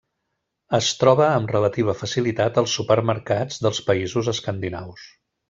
Es troba amb relativa facilitat als supermercats dels països escandinaus.